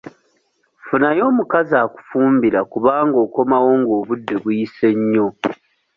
Funayo omukazi akufumbira kubanga okomawo nga obudde buyise nnyo.